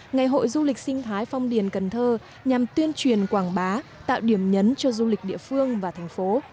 ngày hội du lịch sinh thái phong điền cần thơ nhằm tuyên truyền quảng bá tạo điểm nhấn cho du lịch địa phương và thành phố